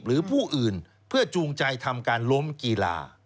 หรือผู้อื่นเพื่อจูงใจทำการล้มกีฬา